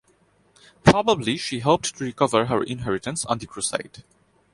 Probably she hoped to recover her inheritance on the crusade.